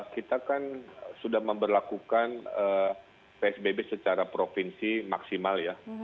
kita kan sudah memperlakukan psbb secara provinsi maksimal ya